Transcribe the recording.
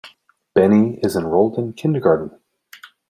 Benny is enrolled in kindergarten.